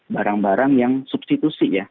barang barang yang substitusi ya